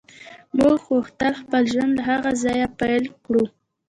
موږ غوښتل خپل ژوند له هغه ځایه پیل کړو